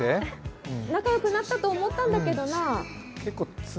仲よくなったと思ったんだけどな。